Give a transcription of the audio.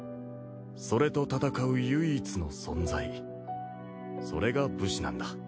それと戦う唯一の存在それが武士なんだ。